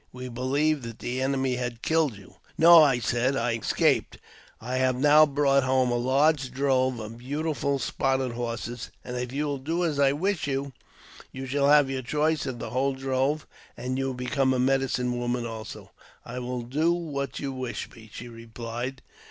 We believed that the enemy had killed you." "No," I said. "I escaped. I have now brought home a ! (large drove of beautiful spotted horses, and if you will do as I wish you, you shall have your choice of the whole drove, and you will become a medicine woman also." " I will do what you wish me," she replied.